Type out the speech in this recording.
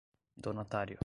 donatário